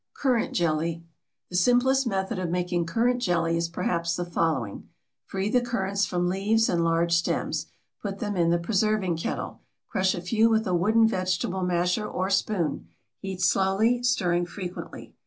CURRANT JELLY. The simplest method of making currant jelly is perhaps the following: Free the currants from leaves and large stems. Put them in the preserving kettle; crush a few with a wooden vegetable masher or spoon; heat slowly, stirring frequently.